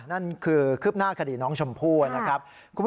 นั่นคือคืบหน้าคดีน้องชมพู่นะครับ